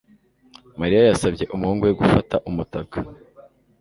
Mariya yasabye umuhungu we gufata umutaka.